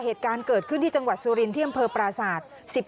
เหตุการณ์เกิดขึ้นที่จังหวัดสุรินที่อำเภอปราศาสตร์